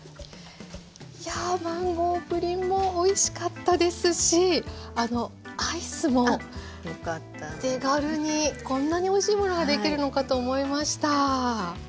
いやマンゴープリンもおいしかったですしアイスも手軽にこんなにおいしいものができるのかと思いました。